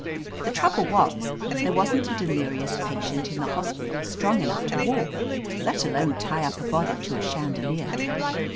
The trouble was, there wasn't a delirious patient in the hospital strong enough to walk, let alone tie up a body to a chandelier.